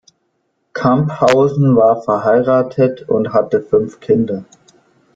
Camphausen war verheiratet und hatte fünf Kinder.